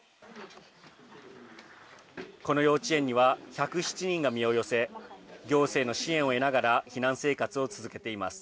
この幼稚園には１０７人が身を寄せ行政の支援を得ながら避難生活を続けています。